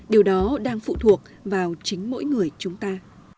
điều đó đang phụ thuộc vào chính mỗi người chúng ta